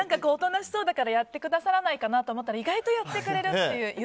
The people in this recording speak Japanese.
おとなしそうだからやってくださらないかなって思ったら意外とやってくれるという。